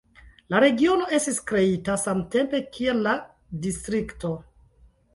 La regiono estis kreita samtempe kiel la distrikto.